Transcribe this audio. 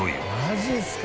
「マジっすか？」